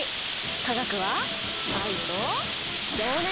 化学は愛と情熱！